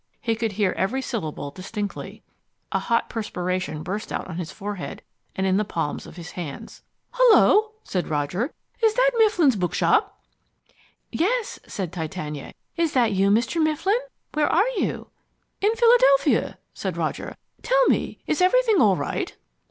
He could hear every syllable distinctly. A hot perspiration burst out on his forehead and in the palms of his hands. "Hullo," said Roger. "Is that Mifflin's Bookshop?" "Yes," said Titania. "Is that you, Mr. Mifflin? Where are you?" "In Philadelphia," said Roger. "Tell me, is everything all right?"